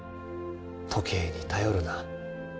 「時計に頼るな。